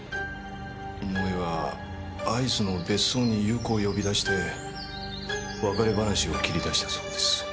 井上は会津の別荘に祐子を呼び出して別れ話を切り出したそうです。